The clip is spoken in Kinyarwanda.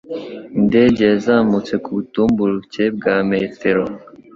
Indege yazamutse ku butumburuke bwa metero